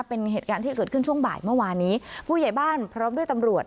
เป็นเหตุการณ์ที่เกิดขึ้นช่วงบ่ายเมื่อวานนี้ผู้ใหญ่บ้านพร้อมด้วยตำรวจ